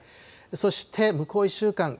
そして向こう１週間。